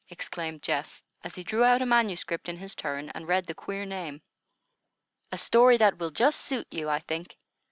exclaimed Geoff, as he drew out a manuscript in his turn and read the queer name. "A story that will just suit you, I think.